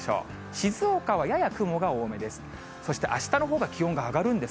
静岡はやや雲が多めです。